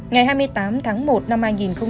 ngày hai mươi tám tháng một năm hai nghìn hai mươi